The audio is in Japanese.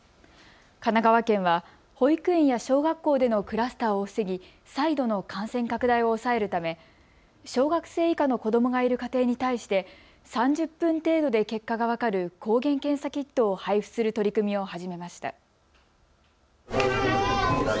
神奈川県は保育園や小学校でのクラスターを防ぎ再度の感染拡大を抑えるため小学生以下の子どもがいる家庭に対して３０分程度で結果が分かる抗原検査キットを配布する取り組みを始めました。